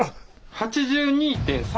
８２．３？